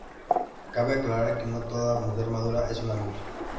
Cabe aclarar que no toda mujer madura es una Milf.